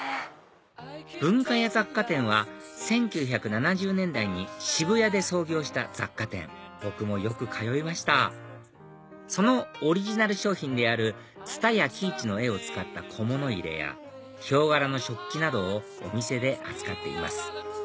文化屋雑貨店は１９７０年代に渋谷で創業した雑貨店僕もよく通いましたそのオリジナル商品である蔦谷喜一の絵を使った小物入れやヒョウ柄の食器などをお店で扱っています